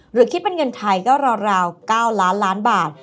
หรือคิดเป็นเงินไทยก็ราว๙ล้านล้านบาท